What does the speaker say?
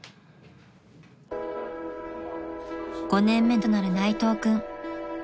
［５年目となる内藤君］